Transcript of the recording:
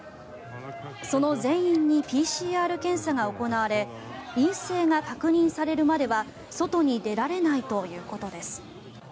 その全員にＰＣＲ検査が行われ陰性が確認されるまでは外に出られないということです。